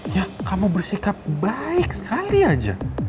ya kamu bersikap baik sekali aja